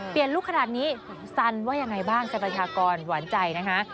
เปลี่ยนลูกขนาดนี้ซันว่ายังไงบ้างสรรพยากรหวานใจนะคะ